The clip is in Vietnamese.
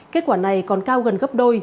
kết quả này còn cao gần gấp đôi